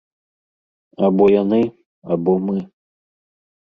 Або яны, або мы.